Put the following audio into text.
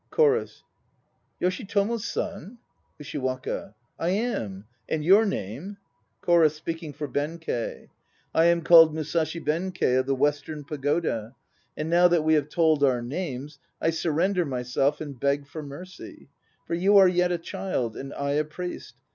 CHORUS. Yoshitomo's son? USHIWAKA. I am. And your name ...? CHORUS (speaking for BENKEI) . "I am called Musashi Benkei of the Western Pagoda. And now that we have told our names, I surrender myself and beg for mercy; For you are yet a child, and I a priest.